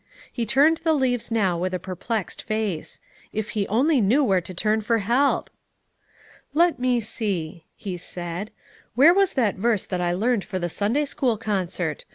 He turned the leaves now with a perplexed face. If he only knew where to turn for help! "Let me see," he said. "Where was that verse that I learned for the Sunday school concert?